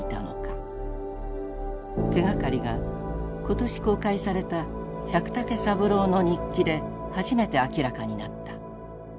手がかりが今年公開された百武三郎の日記で初めて明らかになった。